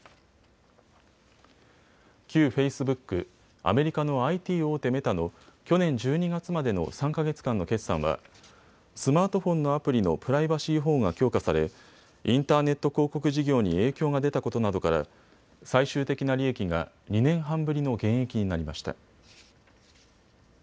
旧フェイスブック、アメリカのＩＴ大手、メタの去年１２月までの３か月間の決算はスマートフォンのアプリのプライバシー保護が強化されインターネット広告事業に影響が出たことなどから最終的な利益が２年半ぶりの減益になりました。